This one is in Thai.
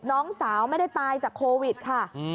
น้องสาวไม่ได้ตายจากโควิดค่ะ